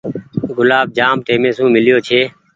گلآب جآم ٽيمي سون ميليو ڇي۔